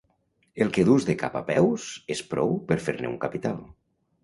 El que dus de cap a peus és prou per fer-ne un capital.